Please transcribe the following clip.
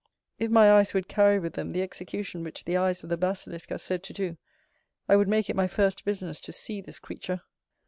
If my eyes would carry with them the execution which the eyes of the basilisk are said to do, I would make it my first business to see this creature.